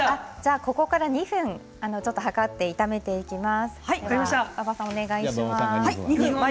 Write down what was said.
ここから２分計って炒めていきます。